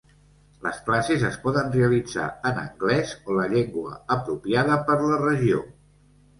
Les classes es poden realitzar en anglès o la llengua apropiada per la regió.